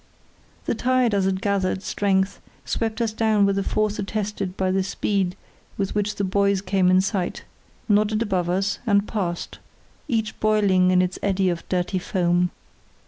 The tide as it gathered strength swept us down with a force attested by the speed with which buoys came in sight, nodded above us and passed, each boiling in its eddy of dirty foam.